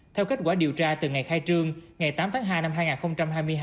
theo kết quả điều tra từ ngày khai trương ngày tám tháng hai năm hai nghìn hai mươi hai